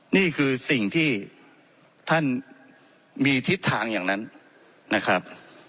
นี่คือสิ่งที่ท่านมีทิศทางอย่างนั้นนะครับ